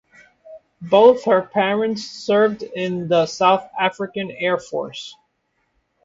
Both her parents served in the South African Air Force.